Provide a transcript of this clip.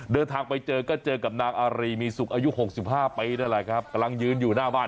เดินทางไปเจอก็เจอกับนางอารีมีสุขอายุ๖๕ปีนั่นแหละครับกำลังยืนอยู่หน้าบ้าน